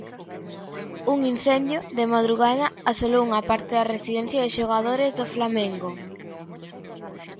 Un incendio, de madrugada, asolou unha parte da residencia de xogadores do Flamengo.